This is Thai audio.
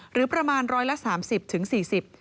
หรือประมาณร้อยละสามสิบถึงสี่สิบ